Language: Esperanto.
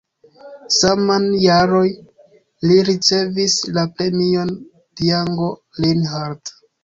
Saman jaroj li ricevis la Premion Django Reinhardt.